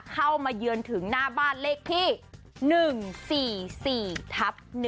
มาเยือนถึงหน้าบ้านเลขที่๑๔๔ทับ๑